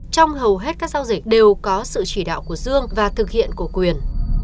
trong hầu hết các giao dịch đều có sự chỉ đạo của dương và thực hiện của quyền